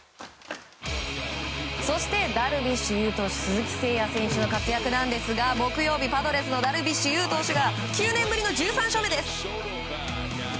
そしてダルビッシュ有投手と鈴木誠也選手の活躍なんですが木曜日、パドレスのダルビッシュ有投手が９年ぶりの１３勝目です。